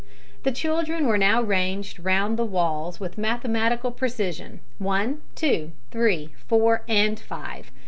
The children were now ranged round the walls with mathematical precision one, two, three, four, and five.